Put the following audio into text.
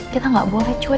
kita gak boleh cuek